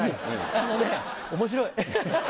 あのね面白い。